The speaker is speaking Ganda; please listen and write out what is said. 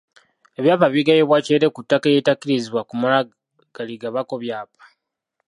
Ebyapa bigabibwa kyere ku ttaka eritakkirizibwa kumala galigabako byapa.